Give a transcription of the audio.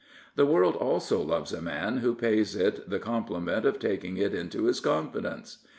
The world also loves a man who pays it the compli ment of taking it into his confidence.